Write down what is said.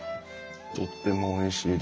とってもおいしいです。